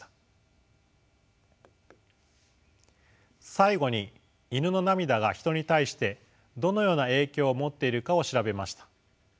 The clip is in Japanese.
最後にイヌの涙がヒトに対してどのような影響を持っているかを調べました。